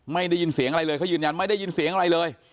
ไม่ได้ยินเสียงอะไรเลยเขายืนยันไม่ได้ยินเสียงอะไรเลย